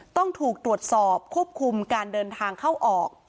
ต้องถูกตรวจสอบควบคุมการเดินทางเข้าออก